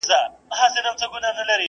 يوه ورځ بيا پوښتنه راپورته کيږي